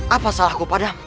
apa salahku padam